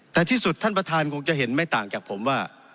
แต่ที่สุดท่านประธานคงจะเห็นไม่ต่างจากผมว่า